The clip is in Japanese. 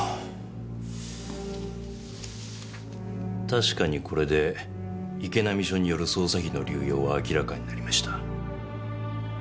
確かにこれで池波署による捜査費の流用は明らかになりました。